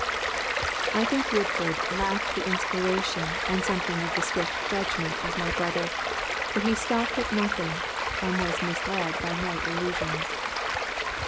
I think Woodford lacked the inspiration and something of the swift judgment of my brother, but he stopped at nothing, and was misled by no illusions.